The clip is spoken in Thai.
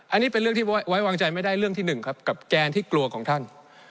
อันนี้เป็นเรื่องที่ไว้วางใจไม่ได้เรื่องที่หนึ่งครับกับแกนที่กลัวของท่าน